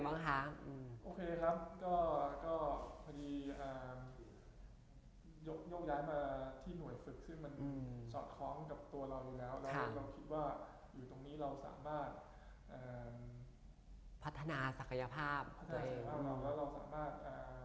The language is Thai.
พัฒนาศักยภาพแล้วเราสามารถทำอะไรที่เราสามารถพูดสอนได้จริง